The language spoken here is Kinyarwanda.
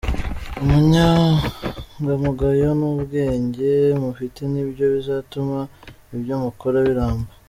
Ubunyangamugayo n’ubwenge mufite ni byo bizatuma ibyo mukora ibiramba.